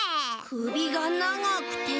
くびがながくて。